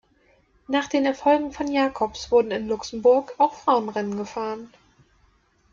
Nach den Erfolgen von Jacobs wurden in Luxemburg auch Frauenrennen gefahren.